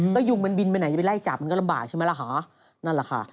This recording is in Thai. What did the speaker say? ก็ยุงบินไปไหนจะไปไล่จับมันก็ลำบากใช่เปล่าหรือหรือฮะ